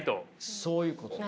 そういうことです。